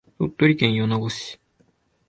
鳥取県米子市